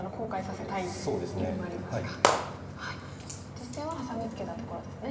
実戦はハサミツケたところですね。